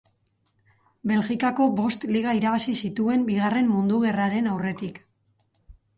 Belgikako bost liga irabazi zituen Bigarren Mundu Gerraren aurretik.